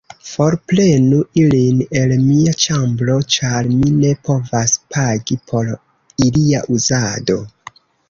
Forprenu ilin el mia ĉambro, ĉar mi ne povas pagi por ilia uzado.